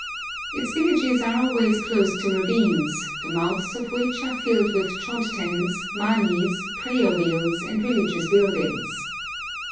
Its villages are always close to ravines, the mouths of which are filled with chod tens, manis, prayer wheels, and religious buildings.